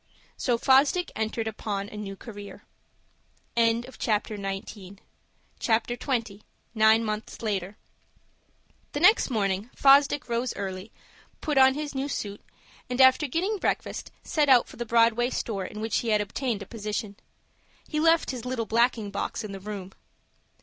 So Fosdick entered upon a new career. CHAPTER XX. NINE MONTHS LATER The next morning Fosdick rose early, put on his new suit, and, after getting breakfast, set out for the Broadway store in which he had obtained a position. He left his little blacking box in the room.